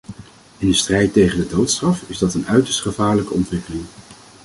In de strijd tegen de doodstraf is dat een uiterst gevaarlijke ontwikkeling.